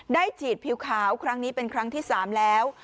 ฉีดผิวขาวครั้งนี้เป็นครั้งที่๓แล้ว